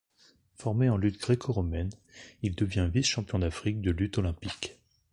Formé en lutte gréco-romaine, il devient vice-champion d’Afrique de lutte olympique.